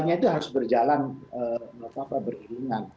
jadi kita harus berjalan apa apa beriringan